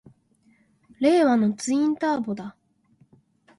令和のツインターボだ！